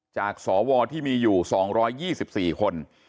จากสวที่มีอยู่๒๒๔คน